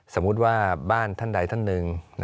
สมมุติว่าบ้านท่านใดท่านหนึ่ง